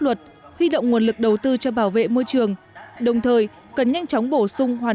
luật huy động nguồn lực đầu tư cho bảo vệ môi trường đồng thời cần nhanh chóng bổ sung hoàn